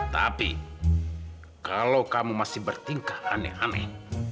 tapi kalau kamu masih bertingkah aneh aneh